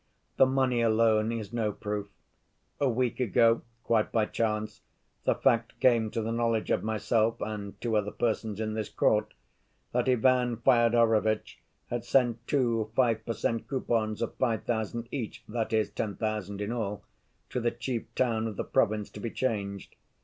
"The money alone is no proof. A week ago, quite by chance, the fact came to the knowledge of myself and two other persons in this court that Ivan Fyodorovitch had sent two five per cent. coupons of five thousand each—that is, ten thousand in all—to the chief town of the province to be changed.